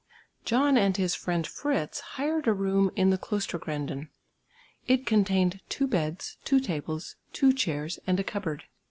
John and his friend Fritz hired a room in the Klostergränden. It contained two beds, two tables, two chairs and a cupboard.